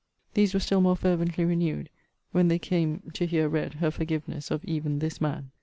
These were still more fervently renewed, when they came to hear read her forgiveness of even this man.